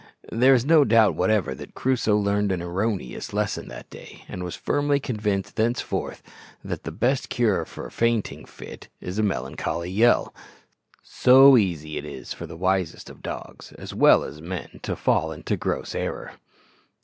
There is no doubt whatever that Crusoe learned an erroneous lesson that day, and was firmly convinced thenceforth that the best cure for a fainting fit is a melancholy yell. So easy is it for the wisest of dogs as well as men to fall into gross error!